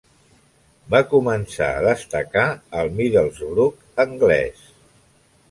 Va començar a destacar al Middlesbrough anglès.